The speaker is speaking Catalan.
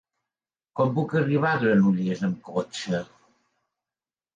Com puc arribar a Granollers amb cotxe?